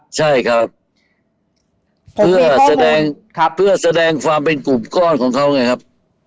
ใช่ครับเพื่อแสดงเพื่อแสดงความเป็นกลุ่มก้อนของเขาไงครับ